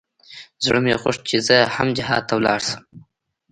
زړه مې غوښت چې زه هم جهاد ته ولاړ سم.